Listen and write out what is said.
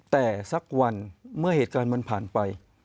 แต่สักวันเมื่อเหตุการณ์มันผ่านไป